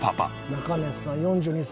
中根さん４２歳。